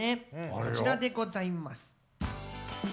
こちらでございます。